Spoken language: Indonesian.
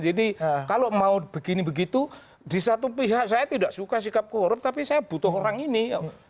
jadi kalau mau begini begitu di satu pihak saya tidak suka sikap korup tapi saya butuh orang ini